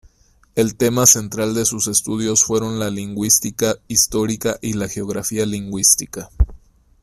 El tema central de sus estudios fueron la lingüística histórica y la geografía lingüística.